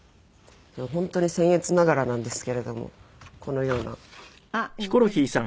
本当に僭越ながらなんですけれどもこのような。あっ似てる。